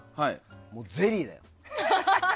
もう、ゼリーだよ。